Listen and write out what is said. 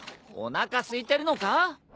おなかすいてるのか？